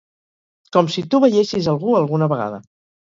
Com si tu veiessis algú alguna vegada!